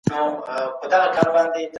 سیال هیواد پټ قرارداد نه عملي کوي.